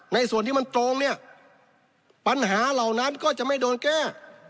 ในส่วนที่มันตรงเนี่ยปัญหาเหล่านั้นก็จะไม่โดนแก้